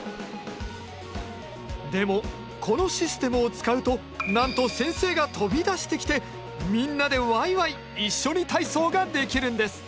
でもこのシステムを使うとなんと先生が飛び出してきてみんなでわいわい一緒に体操ができるんです！